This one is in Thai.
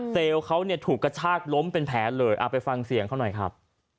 เขาเนี่ยถูกกระชากล้มเป็นแผลเลยเอาไปฟังเสียงเขาหน่อยครับ